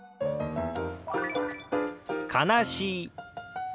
「悲しい」。